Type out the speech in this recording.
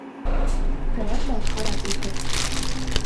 Хәрәм мал харап итә.